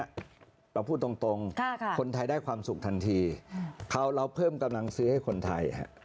เราพูดตรงคนไทยได้ความสุขทันทีเราเพิ่มกำลังซื้อให้คนไทย